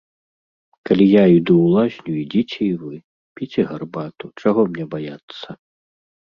Калі я іду ў лазню, ідзіце і вы, піце гарбату, чаго мне баяцца.